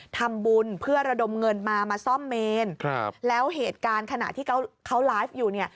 ทำบุญเพื่อระดมเงินมามาซ่อมเมนครับแล้วเหตุการณ์ขณะที่เขาไลฟ์อยู่เนี่ย